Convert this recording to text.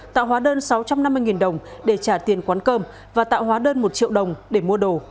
tạo hóa đơn sáu trăm năm mươi đồng để trả tiền quán cơm và tạo hóa đơn một triệu đồng để mua đồ